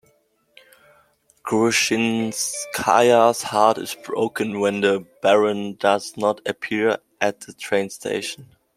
Grushinskaya's heart is broken when the Baron does not appear at the train station.